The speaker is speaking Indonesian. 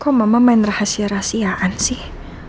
kok mama main rahasia rahasiaan sih